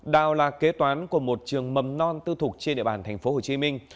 đào là kế toán của một trường mầm non tư thục trên địa bàn thành phố hồ chí minh